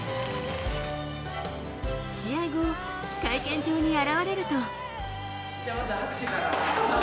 試合後、会見場に現れると。